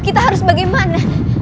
kita harus bagaimana